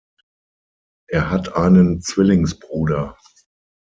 Er hat einen Zwillingsbruder.